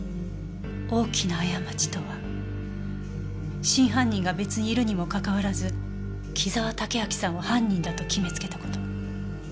大きな過ちとは真犯人が別にいるにもかかわらず紀沢武明さんを犯人だと決めつけた事。